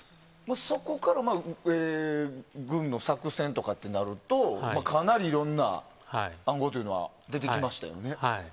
そこから軍の作戦とかってなるとかなりいろんな暗号というのは出てきましたよね。